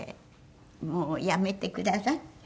「もうやめてください」。